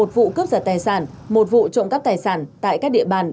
một mươi một vụ cướp giật tài sản một vụ trộm cắp tài sản tại các địa bàn